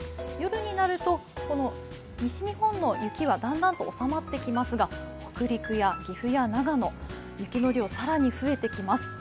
夜になると西日本の雪はだんだんと収まってきますが北陸や岐阜や長野、雪の量が更に増えてきます。